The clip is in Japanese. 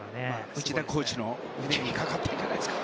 内田コーチの腕にかかってるんじゃないですか？